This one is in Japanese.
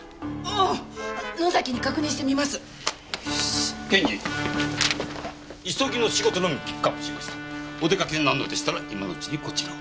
お出かけになるのでしたら今のうちにこちらを。